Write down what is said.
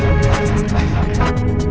tidak ada apa apa